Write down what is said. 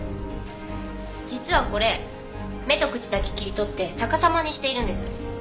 実はこれ目と口だけ切り取って逆さまにしているんです。